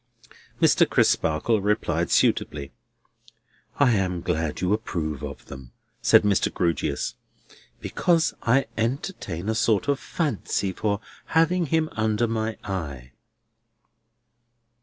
Mr. Crisparkle replied suitably. "I am glad you approve of them," said Mr. Grewgious, "because I entertain a sort of fancy for having him under my eye."